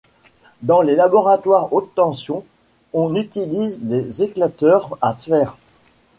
Dans les laboratoires haute tension on utilise des éclateurs à sphère.